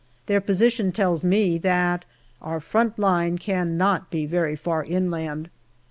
Their position tells me that our front line cannot be very far inland.